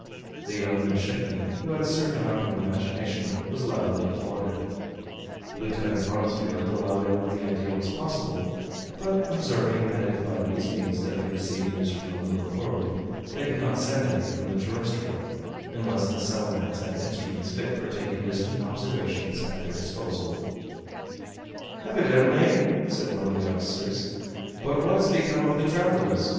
The young midshipman, who had a certain amount of imagination, was loudly applauded; Lieutenant Bronsfield allowing that the idea was possible, but observing that if by these means they could receive news from the lunar world they could not send any from the terrestrial, unless the Selenites had instruments fit for taking distant observations at their disposal. "Evidently," said one of the officers; "but what has become of the travelers?